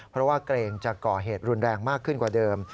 เพราะว่าเกรงจะก่อเหตุรุนแรงมากขึ้นกว่าเดิม